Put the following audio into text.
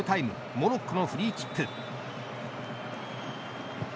モロッコのフリーキック。